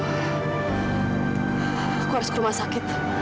aku harus ke rumah sakit